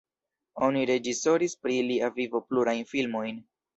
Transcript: Oni reĝisoris pri lia vivo plurajn filmojn.